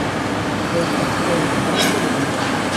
Estas teñen moito de enigma.